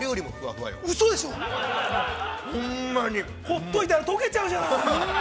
◆ほっといたら溶けちゃうじゃない。